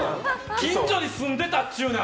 近所に住んでたっちゅうねん！